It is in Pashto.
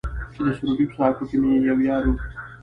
چې د سروبي په سهاکو کې مې يو يار و.